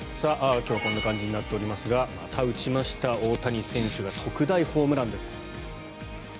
今日はこんな感じになっておりますがまた打ちました大谷選手が特大ホームランです。